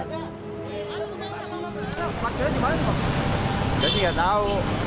saya sih tidak tahu